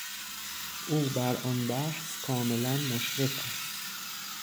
او بر آن بحث کاملا مشرف است